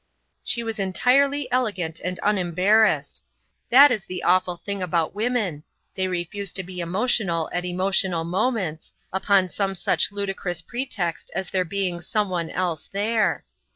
She was entirely elegant and unembarrassed. That is the awful thing about women they refuse to be emotional at emotional moments, upon some such ludicrous pretext as there being someone else there.